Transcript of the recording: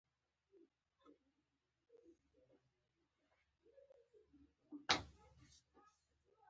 د ماشومانو توپیر ښه کار نه دی.